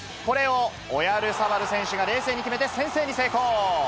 これをオヤルサバル選手が冷静に決めて、先制に成功。